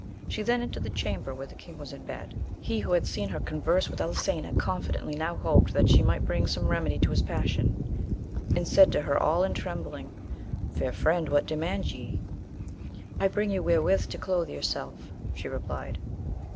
She then entered the chamber where the king was in bed. He, who had seen her converse with Elisena confidently, now hoped that she might bring some remedy to his passion, and said to her all in trembling, Fair friend, what demand ye ? I bring you wherewith to cloathe yourself, she replied.